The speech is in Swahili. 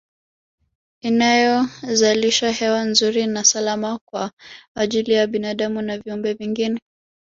Inayozalisha hewa nzuri na salama kwa ajili ya binadamu na viumbe vingine